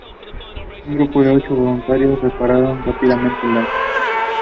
The specific name "megacephalus" refers to the relatively large head of this frog.